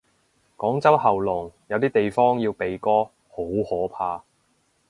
廣州喉嚨，有啲地方要鼻哥，好可怕。